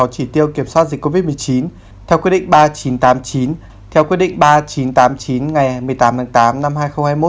chỉ tiêu kiểm soát dịch covid một mươi chín theo quyết định ba nghìn chín trăm tám mươi chín theo quyết định ba nghìn chín trăm tám mươi chín ngày một mươi tám tháng tám năm hai nghìn hai mươi một